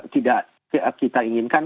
tidak kita inginkan